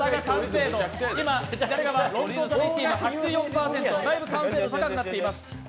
今、左側、ロングコートダディ側が８４％とだいぶ、完成度高くなっています。